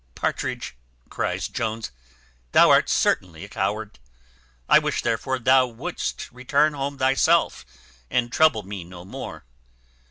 "Partridge," cries Jones, "thou art certainly a coward; I wish, therefore, thou wouldst return home thyself, and trouble me no more."